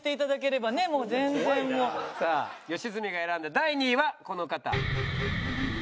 さあ吉住が選んだ第２位はこの方。